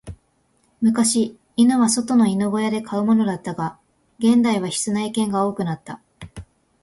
昔、犬は外の犬小屋で飼うものだったが、現代は室内犬が多くなった。